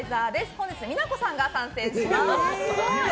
本日、美奈子さんが参戦します。